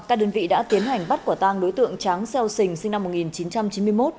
các đơn vị đã tiến hành bắt quả tang đối tượng tráng xeo sình sinh năm một nghìn chín trăm chín mươi một